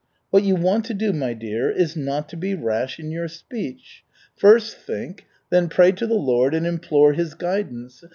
What you want to do, my dear, is not to be rash in your speech. First think, then pray to the Lord and implore His guidance.